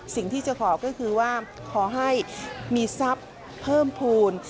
สิ่งที่จะขอก็คือว่าขอให้มีทรัพย์เพิ่มภูมิ